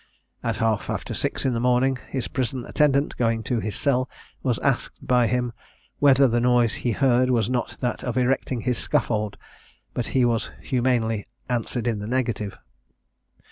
At half after six in the morning, his prison attendant, going to his cell, was asked by him "whether the noise he heard was not that of erecting his scaffold?" but he was humanely answered in the negative.